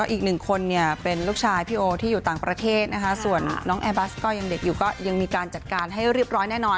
อีกหนึ่งคนเนี่ยเป็นลูกชายพี่โอที่อยู่ต่างประเทศนะคะส่วนน้องแอร์บัสก็ยังเด็กอยู่ก็ยังมีการจัดการให้เรียบร้อยแน่นอน